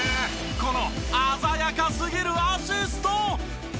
この鮮やかすぎるアシスト。